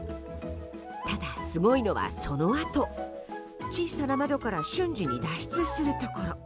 ただ、すごいのはそのあと、小さな窓から瞬時に脱出するところ。